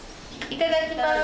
いただきます。